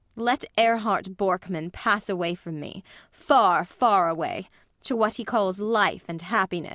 Let Erhart Borkman pass away from me far, far away to what he calls life and happiness.